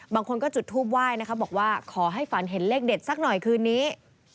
บางคนก็จุดทูปไหว้นะคะบอกว่าขอให้ฝันเห็นเลขเด็ดสักหน่อยคืนนี้